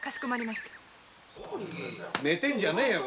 寝てんじゃねぇよ